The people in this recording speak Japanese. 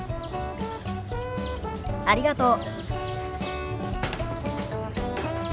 ありがとう。